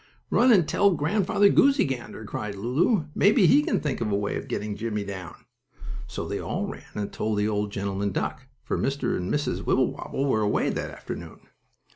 "Run and tell Grandfather Goosey Gander," cried Lulu. "Maybe he can think up a way of getting Jimmie down." So they all ran and told the old gentleman duck, for Mr. and Mrs. Wibblewobble were away that afternoon.